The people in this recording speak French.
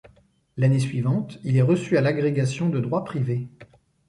L’année suivante, il est reçu à l’agrégation de droit privé.